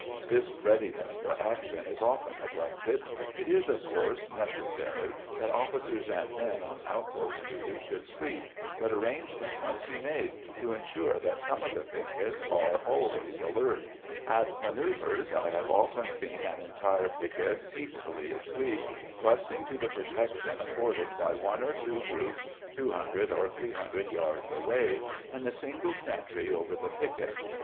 This readiness for action is often neglected; it is, of course, necessary that officers and men on outpost duty should sleep, but arrangements must be made to ensure that some of the piquet are always alert. At manœuvres I have often seen an entire piquet peacefully asleep, trusting to the protection afforded by one or two groups 200 or 300 yards away, and the single sentry over the piquet.